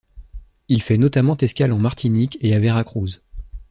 Il fait notamment escale en Martinique et à Veracruz.